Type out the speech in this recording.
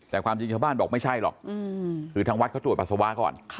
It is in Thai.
แต่ความจริงชาวบ้านบอกไม่ใช่หรอกคือทางวัดเขาตรวจปัสสาวะก่อน